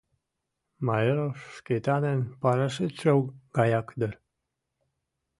Майоров-Шкетанын парашютшо гаяк дыр.